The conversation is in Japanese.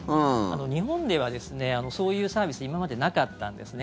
日本ではそういうサービスって今までなかったんですね。